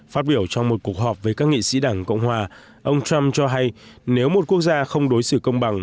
phát biểu trong một cuộc họp với các nghị sĩ đảng cộng hòa ông trump cho hay nếu một quốc gia không đối xử công bằng